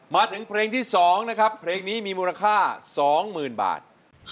มาถึงเพลงที่๒นะครับเพลงนี้มีมูลค่า๒๐๐๐บาท